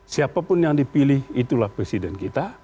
siapapun yang dipilih itulah presiden kita